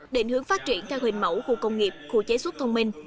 định hướng phát triển theo hình mẫu khu công nghiệp khu chế xuất thông minh